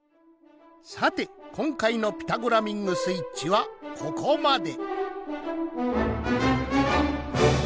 さてこんかいの「ピタゴラミングスイッチ」はここまで！